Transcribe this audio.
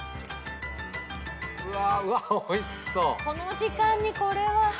この時間にこれは。